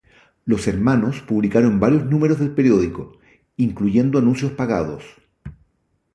Los hermanos publicaron varios números del periódico, incluyendo anuncios pagados.